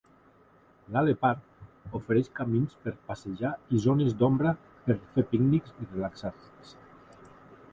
Laleh Park ofereix camins per passejar i zones d"ombra per fer pícnics i relaxar-se.